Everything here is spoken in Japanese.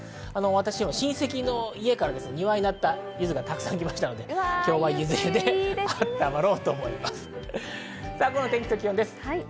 私は親戚の家から庭になったゆずが届きましたので、今日はゆず湯であったまろうと思います。